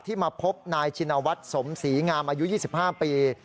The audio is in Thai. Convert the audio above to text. มาพบนายชินวัฒน์สมศรีงามอายุ๒๕ปี